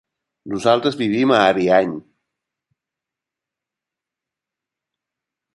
Nosaltres vivim a Ariany.